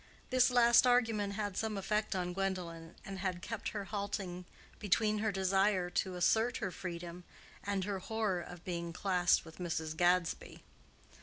This last argument had some effect on Gwendolen, and had kept her halting between her desire to assert her freedom and her horror of being classed with Mrs. Gadsby.